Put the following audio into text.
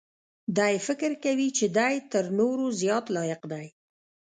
دی فکر کوي چې دی تر نورو زیات لایق دی.